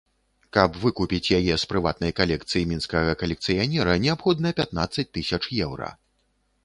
Каб выкупіць яе з прыватнай калекцыі мінскага калекцыянера, неабходна пятнаццаць тысяч еўра.